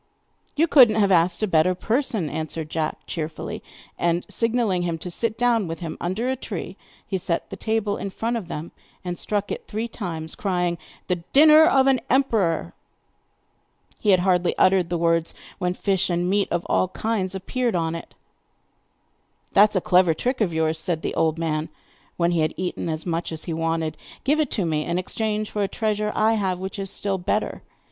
'You could not have asked a better person,' answered Jack cheerfully. And signing to him to sit down with him under a tree, he set the table in front of them, and struck it three times, crying: 'The dinner of an emperor!' He had hardly uttered the words when fish and meat of all kinds appeared on it! 'That is a clever trick of yours,' said the old man, when he had eaten as much as he wanted. 'Give it to me in exchange for a treasure I have which is still better.